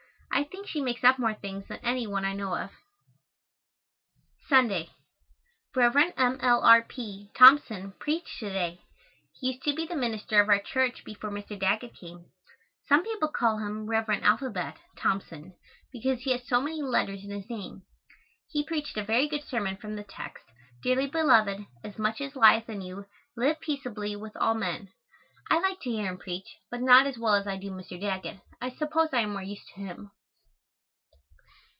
I think she makes up more things than any one I know of. Sunday. Rev. M. L. R. P. Thompson preached to day. He used to be the minister of our church before Mr. Daggett came. Some people call him Rev. "Alphabet" Thompson, because he has so many letters in his name. He preached a very good sermon from the text, "Dearly beloved, as much as lieth in you, live peaceably with all men." I like to hear him preach, but not as well as I do Mr. Daggett. I suppose I am more used to him.